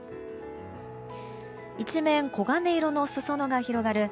一面、黄金色のすそ野が広がる